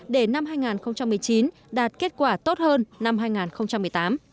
để năm hai nghìn một mươi chín đạt kết quả tốt hơn năm hai nghìn một mươi tám